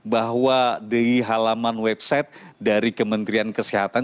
bahwa di halaman website dari kementerian kesehatan